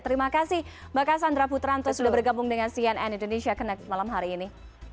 terima kasih mbak cassandra putranto sudah bergabung dengan cnn indonesia connect malam hari ini